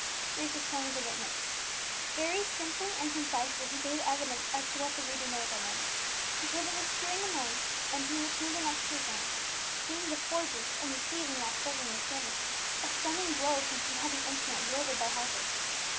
Bruce was sworn as a witness. Very simply and concisely he gave evidence as to what the reader knows already. He told of his hearing a noise, entering the chamber next to his own, seeing the forgers, and receiving, while struggling with Standish, a stunning blow from some heavy instrument wielded by Harper.